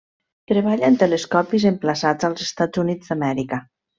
Treballa en telescopis emplaçats als Estats Units d'Amèrica.